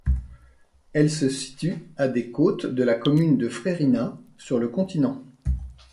Elle se situe à des côtes de la commune de Freirina, sur le continent.